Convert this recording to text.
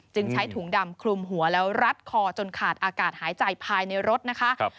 ใช้ถุงดำคลุมหัวแล้วรัดคอจนขาดอากาศหายใจภายในรถนะคะ